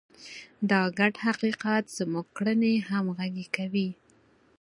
دا ګډ حقیقت زموږ کړنې همغږې کوي.